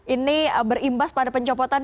ini berimbas pada pencopotan